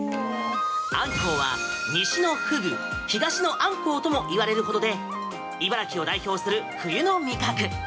アンコウは、西のフグ東のアンコウともいわれるほどで茨城を代表する冬の味覚。